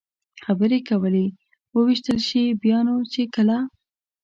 خبرې کولې، ووېشتل شي، بیا نو چې کله.